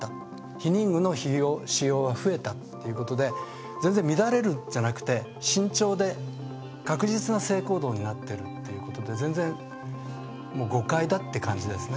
避妊具の使用が増えたということで全然乱れるんじゃなくて、慎重で確実な性行動になってるということで全然誤解だって感じですね。